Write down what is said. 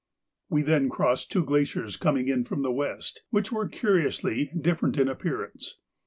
We then crossed two glaciers coming in from the west, which were curiously different in appearance.